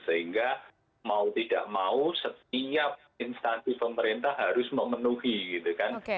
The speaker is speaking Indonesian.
sehingga mau tidak mau setiap instansi pemerintah harus memenuhi gitu kan